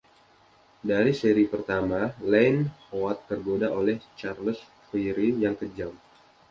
Di seri pertama, Lynne Howard tergoda oleh Charles Frere yang kejam.